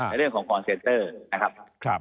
เรื่องของคอนเซนเตอร์นะครับ